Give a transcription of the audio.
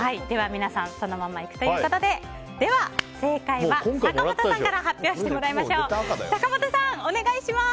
皆さん、そのままということででは、正解は坂本さんから発表してもらいましょう。